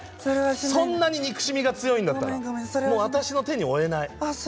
そんなに憎しみが強いんだったら私の手に負えない。